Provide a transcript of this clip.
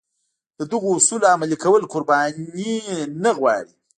د دغو اصولو عملي کول قرباني نه غواړي.